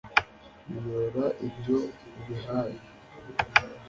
Biyora ibyo ubihaye